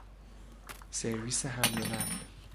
سرویس حمل ونقل